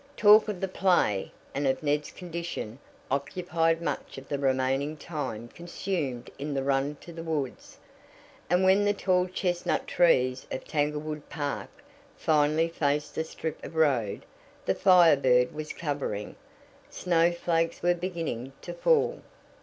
Talk of the play, and of Ned's condition, occupied much of the remaining time consumed in the run to the woods, and when the tall chestnut trees of Tanglewood Park finally faced the strip of road the Fire Bird was covering, snowflakes were beginning to fall.